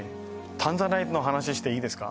タンザナイトの話していいですか？